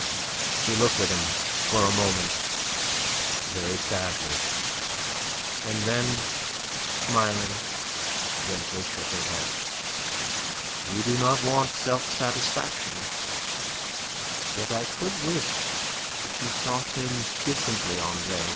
She looked at him for a moment very sadly, and then, smiling, gently shook her head. "You do not want self satisfaction... Yet I could wish that you saw things differently, Andre.